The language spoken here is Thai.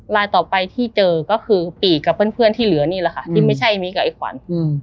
ลายต่อไปที่เจอก็คือปีกกับเพื่อนที่เหลือนี่แหละค่ะที่ไม่ใช่มิกับไอ้ขวัญ